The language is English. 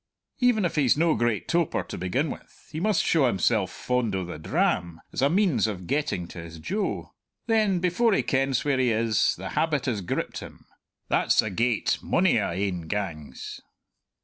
Even if he's no great toper to begin with, he must show himself fond o' the dram, as a means of getting to his jo. Then, before he kens where he is, the habit has gripped him. That's a gate mony a ane gangs."